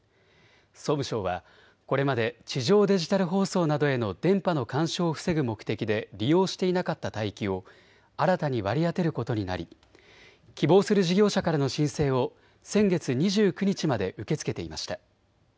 総務省はこれまで地上デジタル放送などへの電波の干渉を防ぐ目的で利用していなかった帯域を新たに割り当てることになり希望する事業者からの申請を先月２９日まで受け付けていました。